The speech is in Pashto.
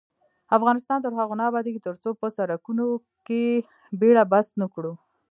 افغانستان تر هغو نه ابادیږي، ترڅو په سرکونو کې بیړه بس نکړو.